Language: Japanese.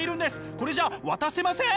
これじゃ渡せません！